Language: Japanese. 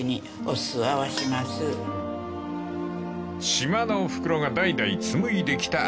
［島のおふくろが代々紡いできた味］